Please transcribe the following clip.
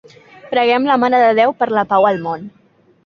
Preguem la Mare de Déu per la pau al món.